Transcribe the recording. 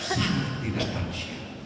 sangat tidak manusia